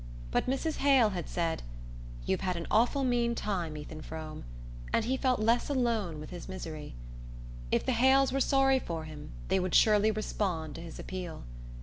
But Mrs. Hale had said, "You've had an awful mean time, Ethan Frome," and he felt less alone with his misery. If the Hales were sorry for him they would surely respond to his appeal...